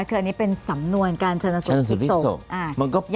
คืออันนี้เป็นสำนวนการชนสูตรพลิกศพ